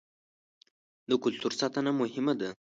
د کلتور ساتنه مهمه ده.